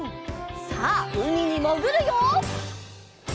さあうみにもぐるよ！